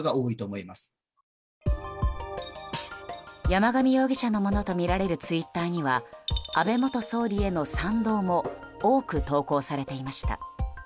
山上容疑者のものとみられるツイッターには安倍元総理への賛同も多く投稿されていました。